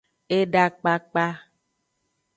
Eda kpakpa.